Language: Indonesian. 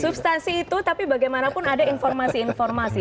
substansi itu tapi bagaimanapun ada informasi informasi